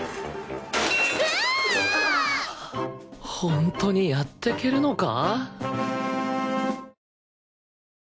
本当にやってけるのか？